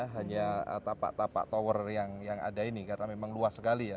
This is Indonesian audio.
tapi ini memang ada tapak tapak tower yang ada ini karena memang luas sekali ya